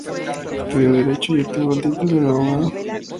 Estudió Derecho y obtuvo el título de abogado.